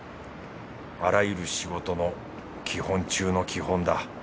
あらゆる仕事の基本中の基本だ。